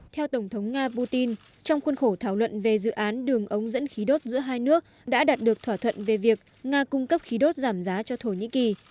theo tổng thống nga putin trong khuôn khổ thảo luận về dự án đường ống dẫn khí đốt giữa hai nước đã đạt được thỏa thuận về việc nga cung cấp khí đốt giảm giá cho thổ nhĩ kỳ